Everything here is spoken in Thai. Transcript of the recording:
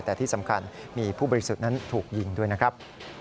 แต่ที่สำคัญมีผู้บริสุทธิ์นั้นถูกยิงด้วยนะครับ